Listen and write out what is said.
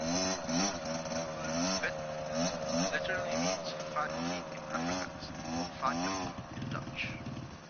The word "vetkoek" literally means "fat cake" in Afrikaans or "fat cookie" in Dutch.